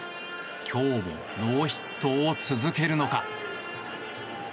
今日もノーヒットを続けるのか。